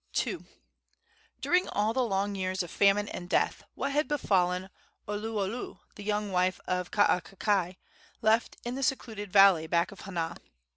II. During all the long years of famine and death what had befallen Oluolu, the young wife of Kaakakai, left in the secluded valley back of Hana?